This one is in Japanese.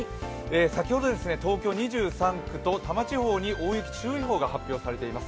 先ほど東京２３区と多摩地方に大雪注意報が発表されています。